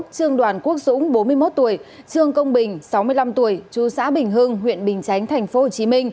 trương đoàn quốc dũng bốn mươi một tuổi trương công bình sáu mươi năm tuổi chú xã bình hưng huyện bình chánh tp hcm